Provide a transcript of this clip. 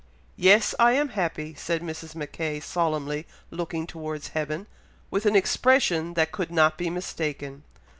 "Yes! I am happy!" said Mrs. Mackay, solemnly looking towards heaven, with an expression that could not be mistaken.